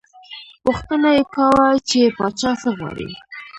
پوښتنه یې کاوه، چې پاچا څه غواړي.